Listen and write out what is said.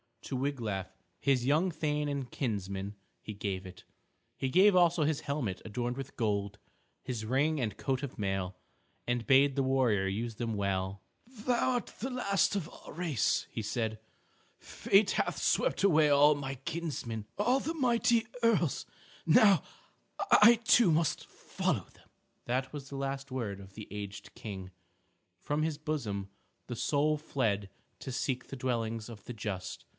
To Wiglaf, his young thane and kinsman, he gave it. He gave also his helmet adorned with gold, his ring and coat of mail, and bade the warrior use them well. "Thou art the last of our race," he said. "Fate hath swept away all my kinsmen, all the mighty earls. Now I too must follow them." That was the last word of the aged King. From his bosom the soul fled to seek the dwellings of the just.